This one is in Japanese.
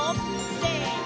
せの！